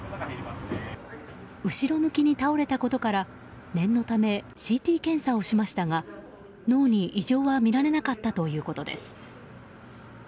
後ろ向きに倒れたことから念のため、ＣＴ検査をしましたが脳に異常は見られなかったということです。